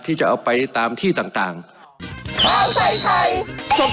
ที่จะเอาไปตามที่ต่างต่าง